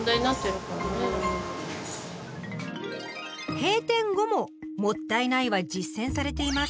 閉店後も「もったいない」は実践されています。